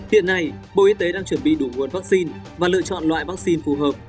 hiện nay bộ y tế đang chuẩn bị đủ nguồn vắc xin và lựa chọn loại vắc xin phù hợp